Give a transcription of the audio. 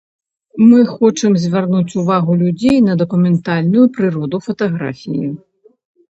Мы хочам звярнуць увагу людзей на дакументальную прыроду фатаграфіі.